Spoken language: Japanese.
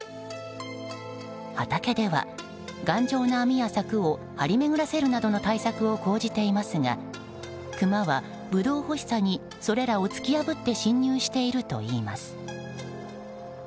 畑では、頑丈な網や柵を張り巡らせるなどの対策を講じていますがクマはブドウ欲しさにそれらを突き破って侵入しているといいます。